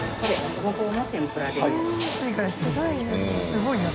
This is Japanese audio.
すごいな。